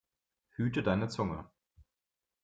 Hüte deine Zunge!